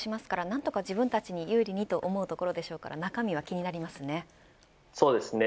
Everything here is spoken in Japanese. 何とか自分たちに有利にと思うところでしょうから中身が気になりますね。